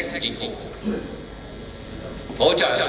hỗ trợ cho các chiến trách